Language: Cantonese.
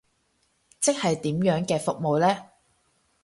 即係點樣嘅服務呢？